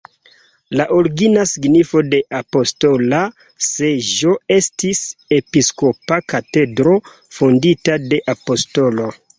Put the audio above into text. La origina signifo de "apostola seĝo" estis: episkopa katedro fondita de apostolo.